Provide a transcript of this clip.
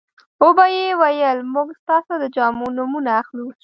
وبه یې ویل موږ ستاسو د جامو نمونه اخلو.